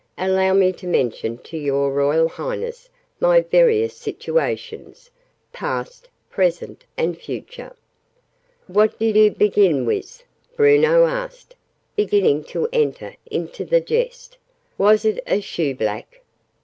"Allow me to mention to your Royal Highness my various situations past, present, and future." "What did oo begin wiz?" Bruno asked, beginning to enter into the jest. "Was oo a shoe black?"